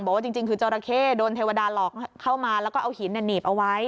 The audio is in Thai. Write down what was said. บอกว่าจริงคือจราเข้โดนเทวดาหลอกเข้ามาแล้วก็เอาหินหนีบเอาไว้